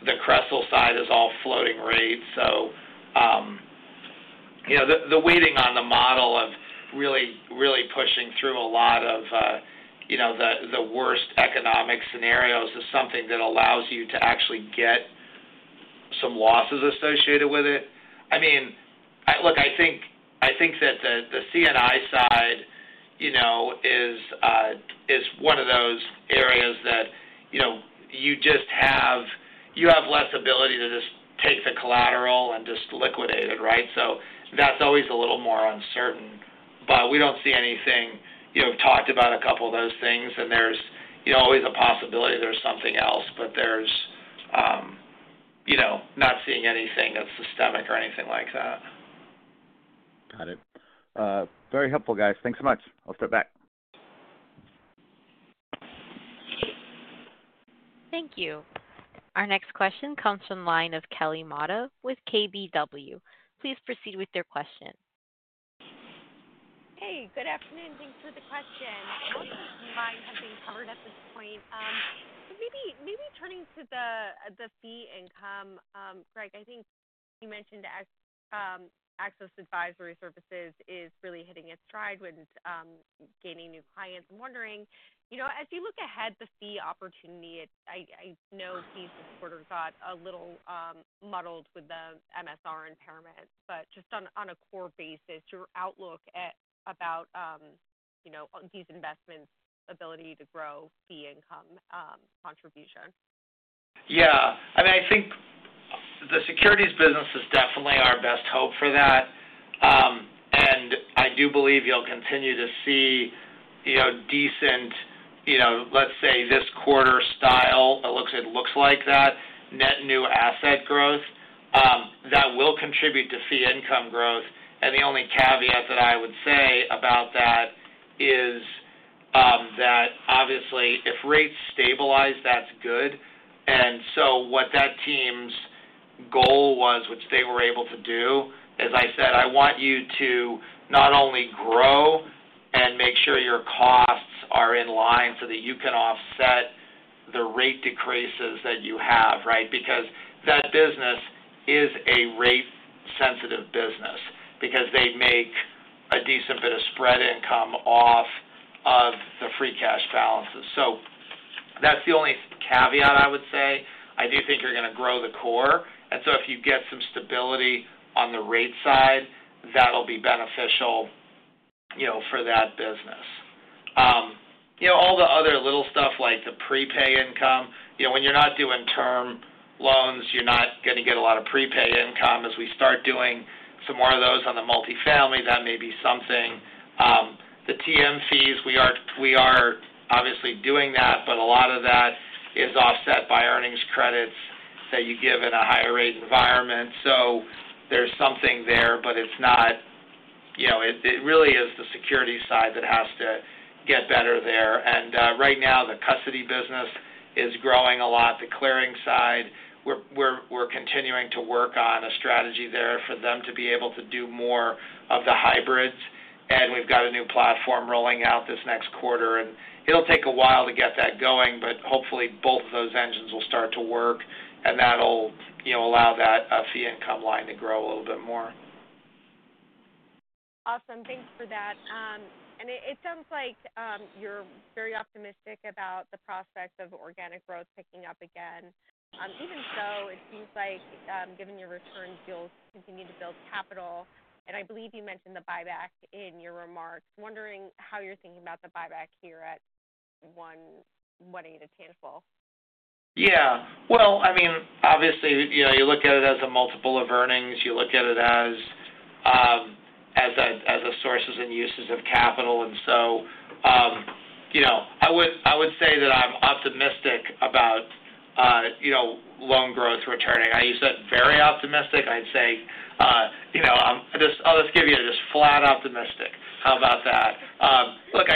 the CRESL side is all floating rates. So the weighting on the model of really pushing through a lot of the worst economic scenarios is something that allows you to actually get some losses associated with it. I mean, look, I think that the C&I side is one of those areas that you have less ability to just take the collateral and just liquidate it, right? So that's always a little more uncertain. But we don't see anything. We've talked about a couple of those things. And there's always a possibility there's something else, but we're not seeing anything that's systemic or anything like that. Got it. Very helpful, guys. Thanks so much. I'll step back. Thank you. Our next question comes from the line of Kelly Motta with KBW. Please proceed with your question. Hey, good afternoon. Thanks for the question. Most of mine have been covered at this point. So maybe turning to the fee income, Greg, I think you mentioned Axos Advisory Services is really hitting its stride with gaining new clients. I'm wondering, as you look ahead, the fee opportunity. I know fees this quarter got a little muddled with the MSR impairment, but just on a core basis, your outlook about these investments' ability to grow fee income contribution? Yeah. I mean, I think the Securities Business is definitely our best hope for that. And I do believe you'll continue to see decent, let's say, this quarter style. It looks like that net new asset growth that will contribute to fee income growth. And the only caveat that I would say about that is that, obviously, if rates stabilize, that's good. And so what that team's goal was, which they were able to do, as I said, I want you to not only grow and make sure your costs are in line so that you can offset the rate decreases that you have, right? Because that business is a rate-sensitive business because they make a decent bit of spread income off of the free cash balances. So that's the only caveat I would say. I do think you're going to grow the core. And so if you get some stability on the rate side, that'll be beneficial for that business. All the other little stuff like the prepay income, when you're not doing term loans, you're not going to get a lot of prepay income. As we start doing some more of those on the Multifamily, that may be something. The TM fees, we are obviously doing that, but a lot of that is offset by earnings credits that you give in a higher rate environment. So there's something there, but it's not. It really is the security side that has to get better there and right now, the custody business is growing a lot. The clearing side, we're continuing to work on a strategy there for them to be able to do more of the hybrids and we've got a new platform rolling out this next quarter and it'll take a while to get that going, but hopefully, both of those engines will start to work and that'll allow that fee income line to grow a little bit more. Awesome. Thanks for that. It sounds like you're very optimistic about the prospect of organic growth picking up again. Even so, it seems like, given your returns, you'll continue to build capital. And I believe you mentioned the buyback in your remarks. Wondering how you're thinking about the buyback here at $180 tangible. Yeah. Well, I mean, obviously, you look at it as a multiple of earnings. You look at it as a source and uses of capital. And so I would say that I'm optimistic about loan growth returning. I use that very optimistic. I'd say I'll just give you just flat optimistic. How about that? Look,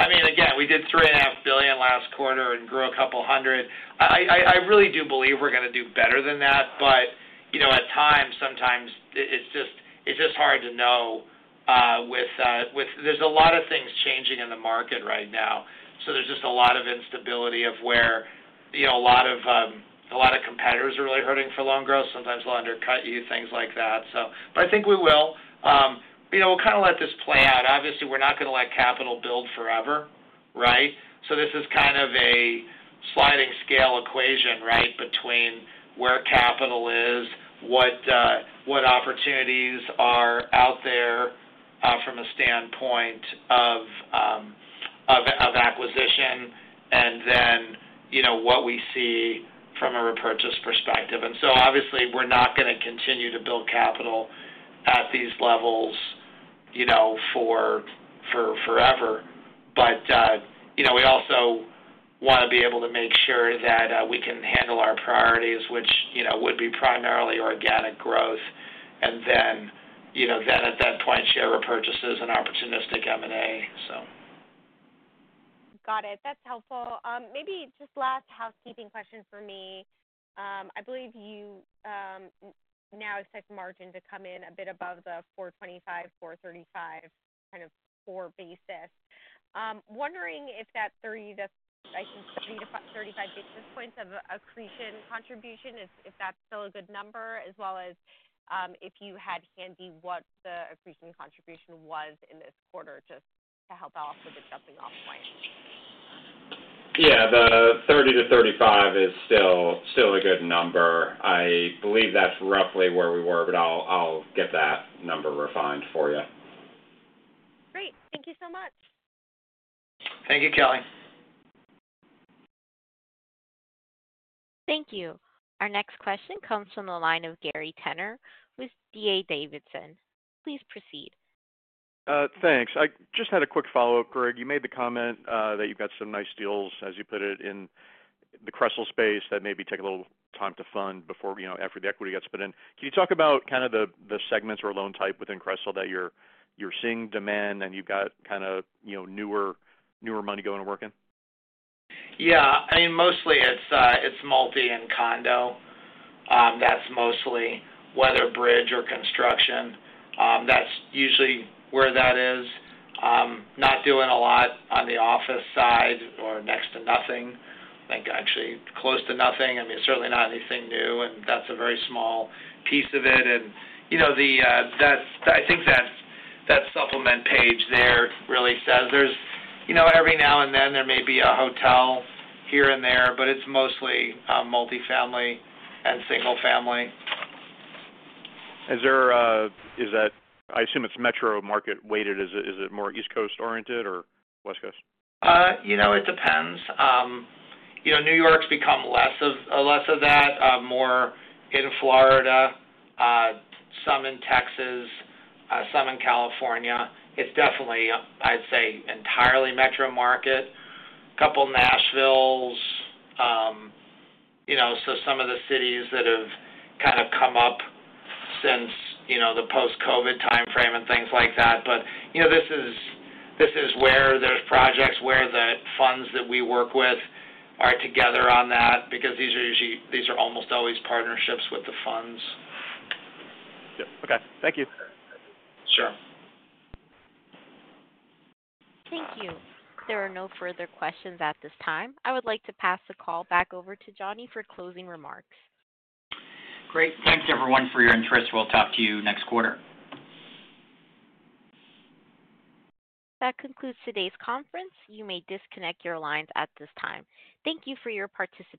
I mean, again, we did $3.5 billion last quarter and grew a couple hundred. I really do believe we're going to do better than that. But at times, sometimes it's just hard to know with there's a lot of things changing in the market right now. So there's just a lot of instability of where a lot of competitors are really hurting for loan growth. Sometimes they'll undercut you, things like that, so. But I think we will. We'll kind of let this play out. Obviously, we're not going to let capital build forever, right? So this is kind of a sliding scale equation, right, between where capital is, what opportunities are out there from a standpoint of acquisition, and then what we see from a repurchase perspective. And so, obviously, we're not going to continue to build capital at these levels forever. But we also want to be able to make sure that we can handle our priorities, which would be primarily organic growth. And then at that point, share repurchases and opportunistic M&A, so. Got it. That's helpful. Maybe just last housekeeping question for me. I believe you now expect margin to come in a bit above the 425-435 kind of core basis. Wondering if that 30-35 basis points of accretion contribution, if that's still a good number, as well as if you had handy what the accretion contribution was in this quarter just to help out with the jumping-off point. Yeah. The 30-35 is still a good number. I believe that's roughly where we were, but I'll get that number refined for you. Great. Thank you so much. Thank you, Kelly. Thank you. Our next question comes from the line of Gary Tenner with D.A. Davidson. Please proceed. Thanks. I just had a quick follow-up, Greg. You made the comment that you've got some nice deals, as you put it, in the CRESL space that maybe take a little time to fund after the equity gets put in. Can you talk about kind of the segments or loan type within CRESL that you're seeing demand and you've got kind of newer money going to work in? Yeah. I mean, mostly it's multi and condo. That's mostly whether Bridge or Construction. That's usually where that is. Not doing a lot on the office side or next to nothing. I think actually close to nothing. I mean, certainly not anything new. And that's a very small piece of it. And I think that supplement page there really says every now and then there may be a hotel here and there, but it's mostly Multifamily and Single Family. Is that, I assume it's metro market weighted? Is it more East Coast oriented or West Coast? It depends. New York's become less of that, more in Florida, some in Texas, some in California. It's definitely, I'd say, entirely metro market. A couple Nashville. So some of the cities that have kind of come up since the post-COVID timeframe and things like that. But this is where there's projects where the funds that we work with are together on that because these are almost always partnerships with the funds. Yeah. Okay. Thank you. Sure. Thank you. There are no further questions at this time. I would like to pass the call back over to Johnny for closing remarks. Great. Thanks, everyone, for your interest. We'll talk to you next quarter. That concludes today's conference. You may disconnect your lines at this time. Thank you for your participation.